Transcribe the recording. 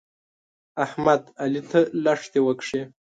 احمد؛ علي ته لښتې وکښې.